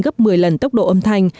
gấp một mươi lần tốc độ âm thanh